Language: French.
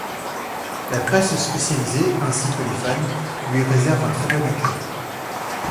La presse spécialisée ainsi que les fans lui réservent un très bon accueil.